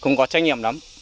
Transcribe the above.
không có trách nhiệm lắm